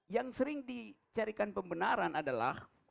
yang sering dicarikan pembenaran adalah